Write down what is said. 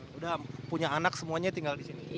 sudah punya anak semuanya tinggal di sini